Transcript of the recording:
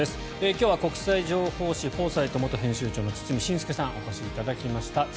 今日は、国際情報誌「フォーサイト」元編集長の堤伸輔さんお越しいただきました。